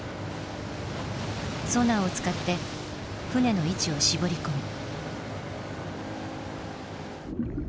ソナーを使って船の位置を絞り込む。